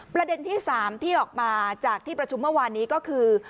ประเด็นที่๓ที่ออกมาจากที่ประชุมเมื่อวานนี้ก็คือ